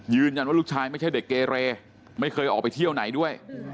ลูกชายไม่ใช่เด็กเกเรไม่เคยออกไปเที่ยวไหนด้วย